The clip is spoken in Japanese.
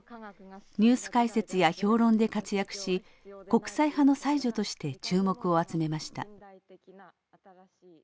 ニュース解説や評論で活躍し国際派の才女として注目を集めました。